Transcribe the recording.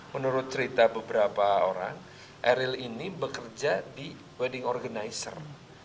menurut cerita beberapa orang eril ini bekerja di wedding organizer